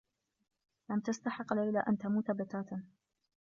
لم تستحق ليلى أن تموت بتاتا.